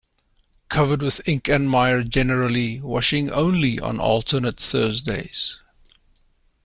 Covered with ink and mire generally, washing only on alternate Thursdays.